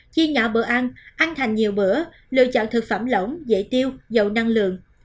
chi nhỏ bữa ăn ăn thành nhiều bữa lựa chọn thực phẩm lỏng dễ tiêu dầu năng lượng